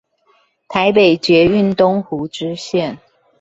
台北捷運東湖支線